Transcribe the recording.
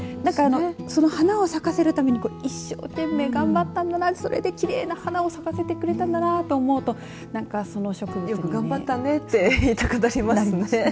その花を咲かせるために一生懸命頑張ったのがそれできれいな花咲かせてくれたんだなと思うとよく頑張ったねて言いたくなりますね。